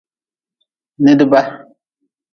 Nidba.